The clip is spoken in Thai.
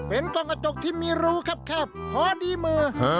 เป็นกล้องกระจกที่มีรูแคบพอดีมือ